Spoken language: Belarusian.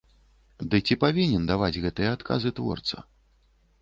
Ды ці павінен даваць гэтыя адказы творца?